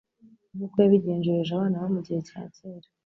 nk'uko yabigenjereje abana bo mu gihe cya kera.